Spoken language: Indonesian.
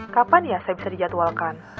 kapan ya saya bisa dijadwalkan